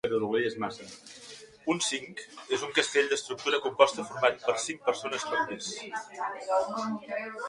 Un cinc és un castell d'estructura composta format per cinc persones per pis.